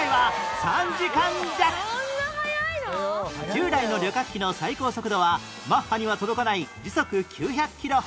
従来の旅客機の最高速度はマッハには届かない時速９００キロほど